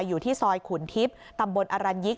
อยู่ที่ซอยขุนทิพย์ตำบลอรัญยิก